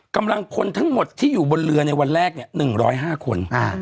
กำลังคนทั้งหมดที่อยู่บนเรือในวันแรก๑๐๕คน